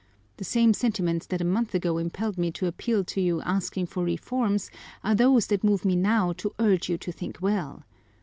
The same sentiments that a month ago impelled me to appeal to you asking for reforms are those that move me now to urge you to think well.